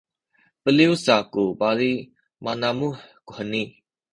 beliw sa ku bali manamuh kuheni